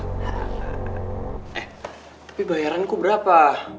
eh tapi bayaranku berapa